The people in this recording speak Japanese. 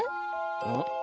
うん？